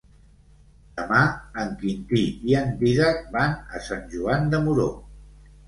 Demà en Quintí i en Dídac van a Sant Joan de Moró.